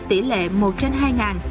tỷ lệ một trên hai ngàn